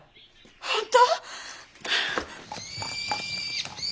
本当？